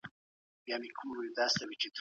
دوی لږ ماخذونه کاروي خو ډېر یې ښيي.